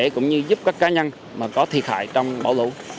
cảnh sát cơ động cũng sẽ giúp các cá nhân có thiệt hại trong bão lũ